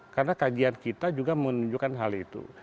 karena kajian kita juga menunjukkan hal itu